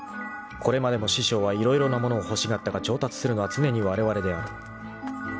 ［これまでも師匠は色々な物を欲しがったが調達するのは常にわれわれである］